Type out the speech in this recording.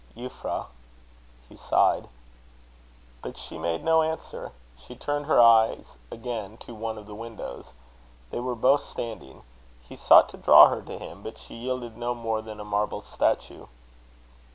"Euphra!" he sighed. But she made no answer; she turned her eyes again to one of the windows. They were both standing. He sought to draw her to him, but she yielded no more than a marble statue.